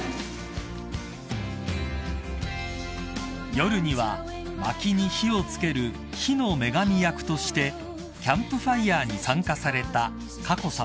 ［夜にはまきに火を付ける火の女神役としてキャンプファイアに参加された佳子さま］